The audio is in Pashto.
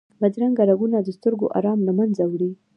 بدرنګه رنګونه د سترګو آرام له منځه وړي